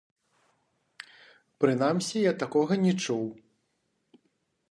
Прынамсі я такога не чуў.